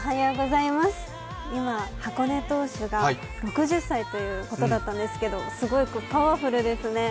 今、箱根投手が６０歳ということだったんですけどすごいパワフルですね。